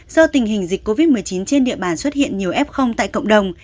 do tình hình dịch covid một mươi chín trên địa bàn xuất hiện nhiều f tại cộng đồng